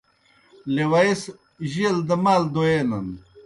لیوائے سہ جیل دہ مال دویینَن۔